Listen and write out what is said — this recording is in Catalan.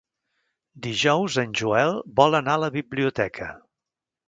Dijous en Joel vol anar a la biblioteca.